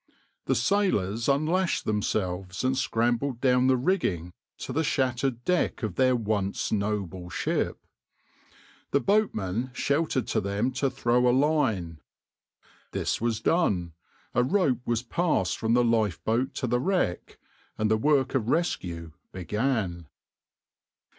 The sailors unlashed themselves and scrambled down the rigging to the shattered deck of their once noble ship. The boatmen shouted to them to throw a line. This was done, a rope was passed from the lifeboat to the wreck, and the work of rescue began.